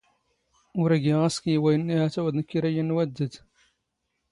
ⵓⵔ ⵉⴳⵉ ⵖⴰⵙ ⴽⵢⵢ ⵡⴰⵢⵏⵏⵉ ⵀⴰⵜ ⴰⵡⴷ ⵏⴽⴽ ⵉⵔⴰ ⵉⵢⵉ ⵏⵏ ⵡⴰⴷⴷⴰⴷ.